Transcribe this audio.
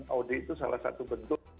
dari audi itu salah satu bentuk